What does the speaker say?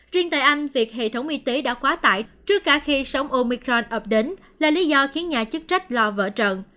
riêng tại anh việc hệ thống y tế đã quá tải trước cả khi sóng omicron ập đến là lý do khiến nhà chức trách lo vỡ trận